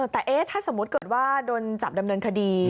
แต่ถ้าสมมุติเกิดว่าโดนจับดำเนินคดี